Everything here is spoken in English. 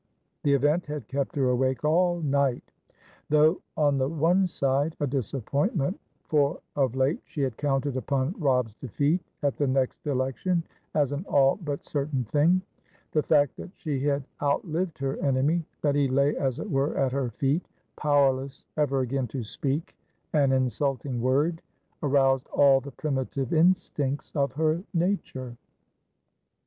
The event had kept her awake all night. Though on the one side a disappointment, for of late she had counted upon Robb's defeat at the next election as an all but certain thing, the fact that she had outlived her enemy, that he lay, as it were, at her feet, powerless ever again to speak an insulting word, aroused all the primitive instincts of her nature.